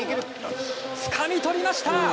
つかみとりました！